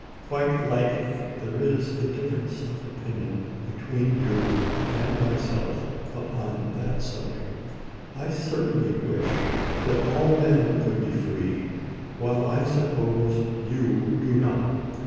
Quite likely there is a difference of opinion be 382 ABRAHAM LINCOLN ch. xiii. tween you and myself upon that subject. I certainly wish that all men could be free, while I suppose you do not.